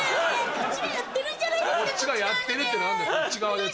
「そっちがやってる」って何だよ。